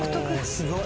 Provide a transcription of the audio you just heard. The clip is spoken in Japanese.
すごい！